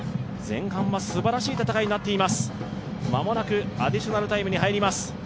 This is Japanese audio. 前半はすばらしい戦いになっていまするまもなくアディショナルタイムに入ります。